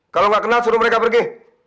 kalo gak kenal suruh mereka pergi